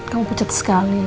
kamu pucet sekali